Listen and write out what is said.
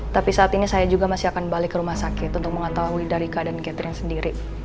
tapi saat ini saya juga masih akan balik ke rumah sakit untuk mengetahui dari keadaan catherine sendiri